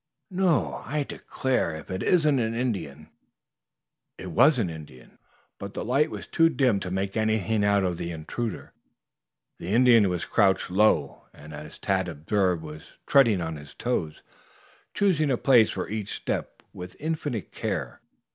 "No, I declare, if it isn't an Indian!" It was an Indian, but the light was too dim to make anything out of the intruder. The Indian was crouched low and as Tad observed was treading on his toes, choosing a place for each step with infinite care.